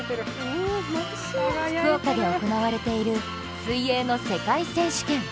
福岡で行われている水泳の世界選手権。